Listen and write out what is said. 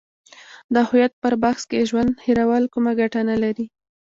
د هویت پر بحث کې ژوند هیرول کومه ګټه نه لري.